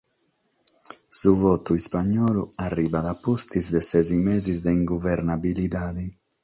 Su votu ispagnolu arribat a pustis de ses meses de inguvernabilidade.